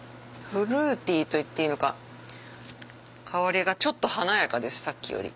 フルーティーと言っていいのか香りがちょっと華やかですさっきより。